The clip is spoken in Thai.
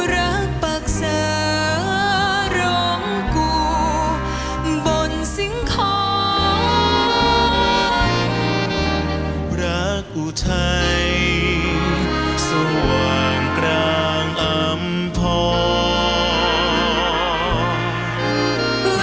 รักปักเสารองกูบนสิงคอร์รักอุทัยสว่างกลางอำพอร์